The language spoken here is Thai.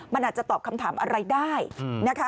มันอาจจะตอบคำถามอะไรได้นะคะ